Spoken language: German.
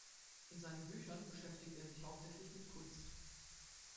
In seinen Büchern beschäftigt er sich hauptsächlich mit Kunst.